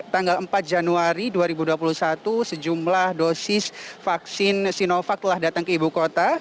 tanggal empat januari dua ribu dua puluh satu sejumlah dosis vaksin sinovac telah datang ke ibu kota